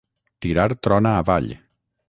Tirar trona avall.